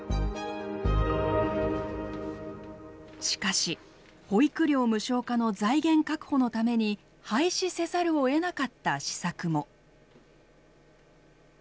しかし保育料無償化の財源確保のために廃止せざるをえなかった施策も。